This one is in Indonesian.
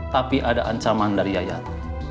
tapi ada ancaman dari yayat